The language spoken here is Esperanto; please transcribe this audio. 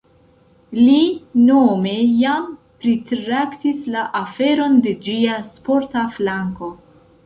Li nome jam pritraktis la aferon de ĝia sporta flanko.